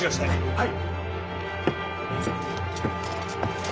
はい！